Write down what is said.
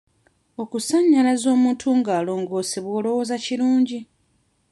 Okusannyalaza omuntu nga alongoosebwa olowooza kirungi?